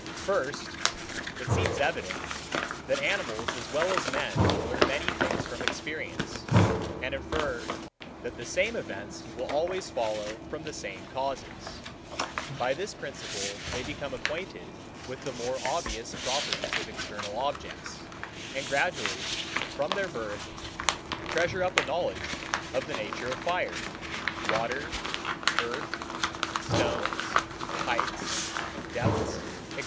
83. First, It seems evident, that animals as well as men learn many things from experience, and infer, that the same events will always follow from the same causes. By this principle they become acquainted with the more obvious properties of external objects, and gradually, from their birth, treasure up a knowledge of the nature of fire, water, earth, stones, heights, depths, &c.